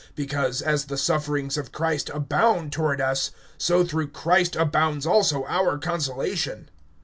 (5)Because, as the sufferings of Christ abound toward us, so through Christ abounds also our consolation.